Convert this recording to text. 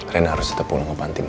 rena harus tetap pulang ke banting